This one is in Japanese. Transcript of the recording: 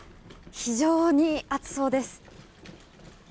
非常に暑そうです。